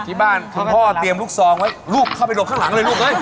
ที่บ้านคุณพ่อเตรียมลูกซองไว้ลูกเข้าไปหลบข้างหลังเลยลูกเอ้ย